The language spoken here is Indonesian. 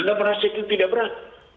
anda merasa itu tidak berat